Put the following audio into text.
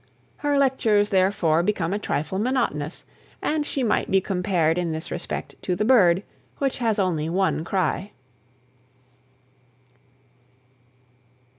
Her lectures, therefore, become a trifle monotonous, and she might be compared in this respect to the bird which has only one cry.